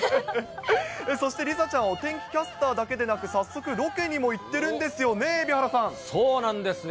そして、梨紗ちゃんはお天気キャスターだけではなく、早速、ロケにも行ってるんですよね。